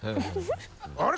あれ？